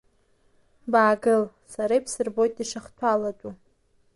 Баагыл, сара ибсырбоит ишыхҭәалатәу…